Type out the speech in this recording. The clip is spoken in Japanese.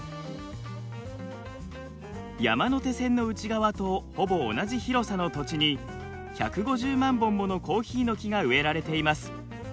山手線の内側とほぼ同じ広さの土地に１５０万本ものコーヒーの木が植えられています。